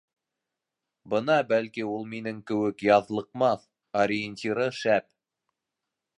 Бына бәлки ул минең кеүек яҙлыҡмаҫ, ориентиры шәп.